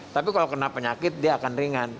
tapi kalau kena penyakit dia akan ringan